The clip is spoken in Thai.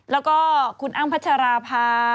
แล้วก็คุณอ้ำพัชราภา